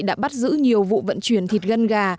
đã bắt giữ nhiều vụ vận chuyển thịt gân gà